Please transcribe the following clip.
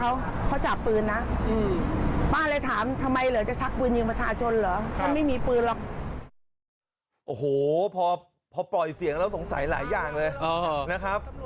โอ้โหพอปล่อยเสียงแล้วสงสัยหลายอย่างเลยนะครับ